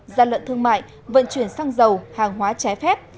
gian lận thương mại vận chuyển xăng dầu hàng hóa trái phép